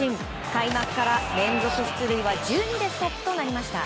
開幕から連続出塁は１２でストップとなりました。